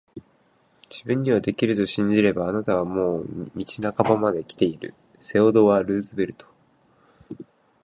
自分にはできると信じれば、あなたはもう道半ばまで来ている～セオドア・ルーズベルト～